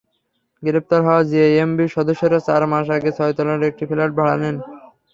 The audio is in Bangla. গ্রেপ্তার হওয়া জেএমবির সদস্যরা চার মাস আগে ছয়তলার একটি ফ্ল্যাট ভাড়া নেন।